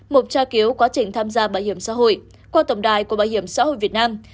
một tra cứu quá trình tham gia bảo hiểm xã hội qua tổng đài của bảo hiểm xã hội việt nam